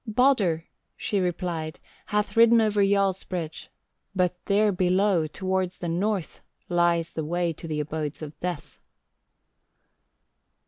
"'Baldur,' she replied, 'hath ridden over Gjoll's bridge, but there below, towards the north, lies the way to the abodes of death.'